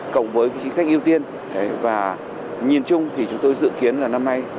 cộng với chính sách ưu tiên và nhìn chung thì chúng tôi dự kiến là năm nay